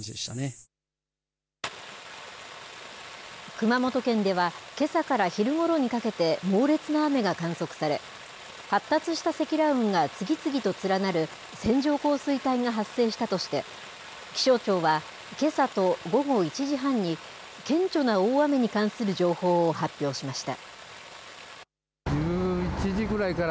熊本県ではけさから昼ごろにかけて猛烈な雨が観測され、発達した積乱雲が次々と連なる線状降水帯が発生したとして、気象庁はけさと午後１時半に、顕著な大雨に関する情報を発表しました。